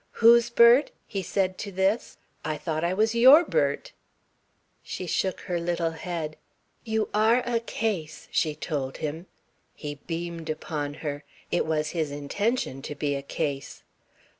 "Whose Bert?" he said to this. "I thought I was your Bert." She shook her little head. "You are a case," she told him. He beamed upon her. It was his intention to be a case.